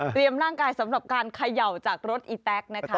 ร่างกายสำหรับการเขย่าจากรถอีแต๊กนะคะ